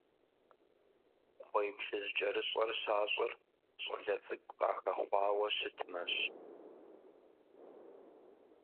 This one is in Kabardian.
КхъуейплъыжькӀэрыщӀэр щащӀыр щӀалэ цӀыкӀу къахэхъуауэ щытмэщ.